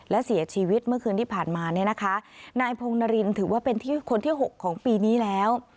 และเสียชีวิตเมื่อคืนที่ผ่านมานายพงษ์นรีนถือว่าเป็นคนที่๖ของปีนี้แล้ว